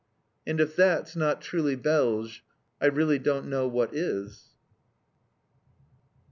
And if that's not truly Belge, I really don't know what is!